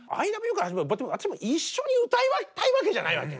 私も一緒に歌いたいわけじゃないわけ。